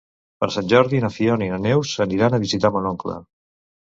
Per Sant Jordi na Fiona i na Neus aniran a visitar mon oncle.